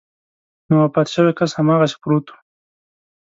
نو وفات شوی کس هماغسې پروت و.